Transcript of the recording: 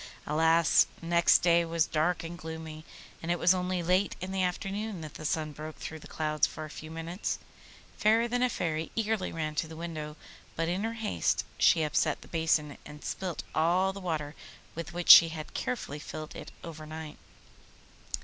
Alas! next day was dark and gloomy, and it was only late in the afternoon that the sun broke through the clouds for a few minutes. Fairer than a Fairy eagerly ran to the window, but in her haste she upset the basin, and spilt all the water with which she had carefully filled it overnight.